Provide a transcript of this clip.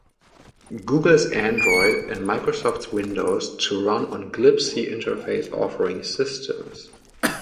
Google's Android and Microsoft's Windows, to run on glibc interface offering systems.